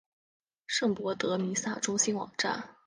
圣博德弥撒中心网站